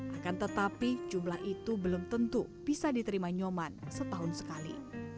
akan tetapi jumlah itu belum tentu bisa diterima nyoman setahun sekali